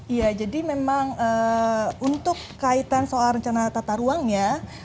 iya jadi memang untuk kaitan soal rencana tata ruangnya